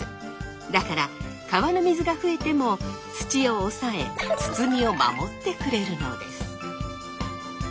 だから川の水が増えても土をおさえ堤を守ってくれるのです。